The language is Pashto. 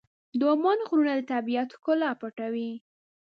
د عمان غرونه د طبیعت ښکلا پټوي.